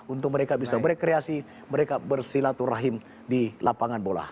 untuk mereka bisa berkreasi mereka bersilaturahim di lapangan bola